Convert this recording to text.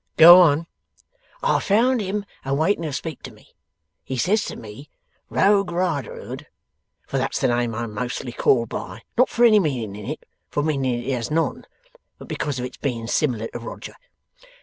'Go on.' 'I found him a waiting to speak to me. He says to me, "Rogue Riderhood" for that's the name I'm mostly called by not for any meaning in it, for meaning it has none, but because of its being similar to Roger.